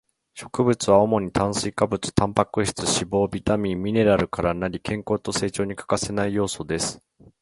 食物は主に炭水化物、タンパク質、脂肪、ビタミン、ミネラルから成り、健康と成長に欠かせない要素です